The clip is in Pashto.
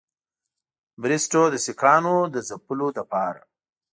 بریسټو د سیکهانو د ځپلو لپاره.